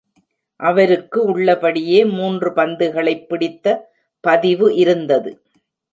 அவருக்கு உள்ளபடியே மூன்று பந்துகளைப் பிடித்த பதிவு இருந்தது.